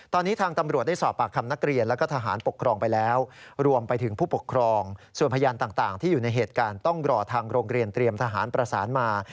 ตอนนี้ทางตำรวจได้สอบปากคำนักเรียนแล้วก็ทหารปกครองไปแล้วรวมไปถึงผู้ปกครองส่วนพยานต่างที่อยู่ในเหตุการณ์ต้องรอทางโรงเรียนเตรียมทหารประสานมา